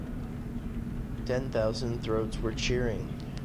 Ten thousand throats were cheering.